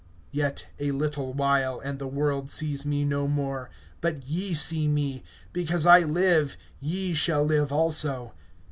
(19)Yet a little while, and the world sees me no more; but ye see me; because I live, ye shall live also.